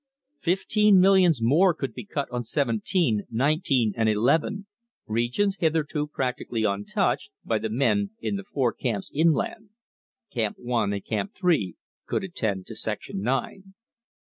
Fifteen millions more could be cut on seventeen, nineteen, and eleven, regions hitherto practically untouched, by the men in the four camps inland. Camp One and Camp Three could attend to section nine.